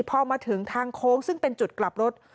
พอมาถึงทางโค้งซึ่งเป็นจุดกลับรถ